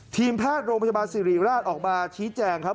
ทีมแพทย์โรงพยาบาลสิริราชออกมาชี้แจงครับ